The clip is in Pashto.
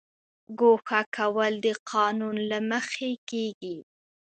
ګوښه کول د قانون له مخې کیږي